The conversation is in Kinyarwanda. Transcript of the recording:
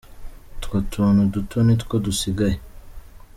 Utwo tuntu duto ni two dusigaye.